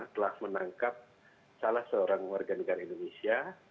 telah menangkap salah seorang warga negara indonesia